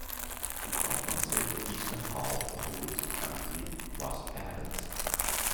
To compensate, the eastern half of Wood County was added.